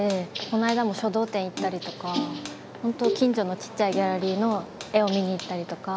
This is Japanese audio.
この間も書道展行ったりとか本当、近所のちっちゃいギャラリーの絵を見に行ったりとか。